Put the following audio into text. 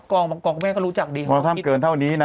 กลางบางกลางแม่ก็รู้จักดีเขาคิดมันทำเกินเท่านี้นะ